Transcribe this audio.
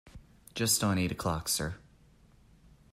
Just on eight o'clock, sir.